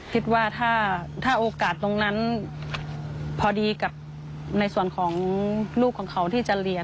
คิดว่าถ้าโอกาสตรงนั้นพอดีกับในส่วนของลูกของเขาที่จะเรียน